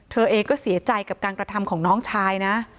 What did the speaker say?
เธอเองก็เสียใจกับการกระทำของน้องชายนะ